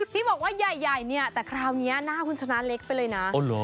ที่บอกว่าใหญ่ใหญ่เนี้ยแต่คราวเนี้ยหน้าคุณชนะเล็กไปเลยน่ะโอ้โห